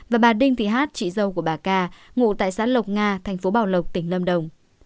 và bà đinh thị hát chị dâu của bà ca ngụ tại xã lộc nga thành phố bảo lộc tỉnh lâm đồng